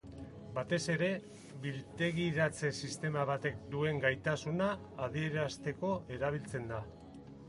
Batez ere biltegiratze sistema batek duen gaitasuna adierazteko erabiltzen da.